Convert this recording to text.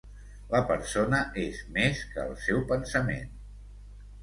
La persona és més que el seu pensament.